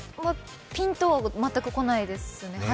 ピンとは全くこないですね。